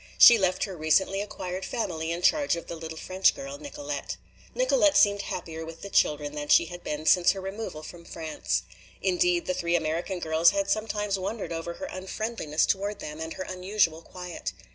She left her recently acquired family in charge of the little French girl, Nicolete. Nicolete seemed happier with the children than she had been since her removal from France. Indeed, the three American girls had sometimes wondered over her unfriendliness toward them and her unusual quiet.